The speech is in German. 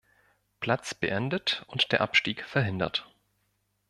Platz beendet und der Abstieg verhindert.